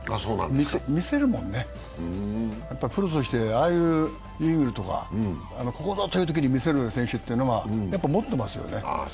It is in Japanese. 見せるもんね、プロとしてああいうイーグルとか、ここぞというときに見せる選手というのは持ってますよね。